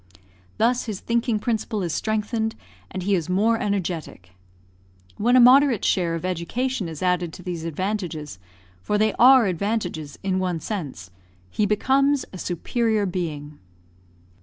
Thus his thinking principle is strengthened, and he is more energetic. When a moderate share of education is added to these advantages for they are advantages in one sense he becomes a superior being.